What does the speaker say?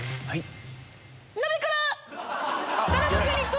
はい。